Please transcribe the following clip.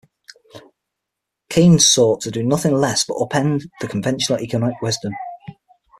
Keynes sought to do nothing less but upend the conventional economic wisdom.